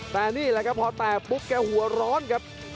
แต่นี่แหละครับพอแตกปุ๊บแกหัวร้อนครับ